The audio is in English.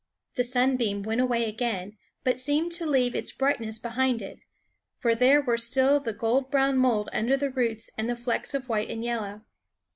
The sunbeam went away again, but seemed to leave its brightness behind it ; for there was still the gold brown mold under the roots, and the flecks of white and yellow.